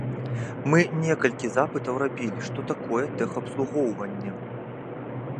Мы некалькі запытаў рабілі, што такое тэхабслугоўванне.